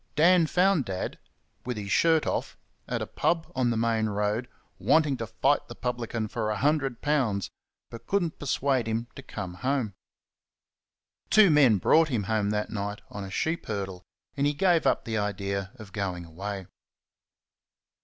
Dan found Dad, with his shirt off, at a pub on the main road, wanting to fight the publican for a hundred pounds, but could n't persuade him to come home. Two men brought him home that night on a sheep hurdle, and he gave up the idea of going away.